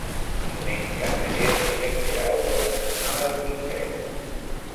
Diumenge na Gemma i en Guerau volen anar a la biblioteca.